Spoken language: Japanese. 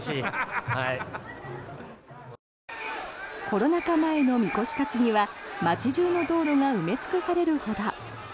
コロナ禍前のみこし担ぎは街中の道路が埋め尽くされるほど。